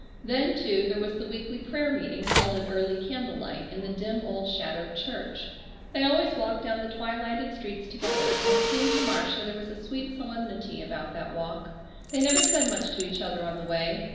Then, too, there was the weekly prayer meeting held at "early candle light" in the dim old shadowed church. They always walked down the twilighted streets together, and it seemed to Marcia there was a sweet solemnity about that walk. They never said much to each other on the way.